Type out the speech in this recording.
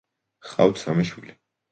ჰყავთ სამი შვილი.